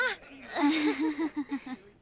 アハハハ。